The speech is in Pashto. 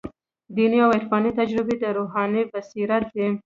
دیني او عرفاني تجربې د روحاني بصیرت دي.